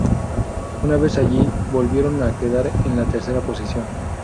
Una vez allí, volvieron a quedar en la tercera posición.